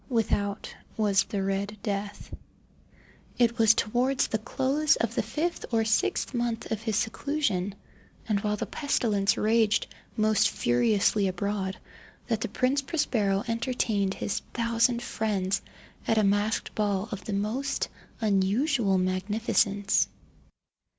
Without was the "Red Death". It was towards the close of the fifth or sixth month of his seclusion, and while the pestilence raged most furiously abroad, that the Prince Prospero entertained his thousand friends at a masked ball of the most unusual magnificence.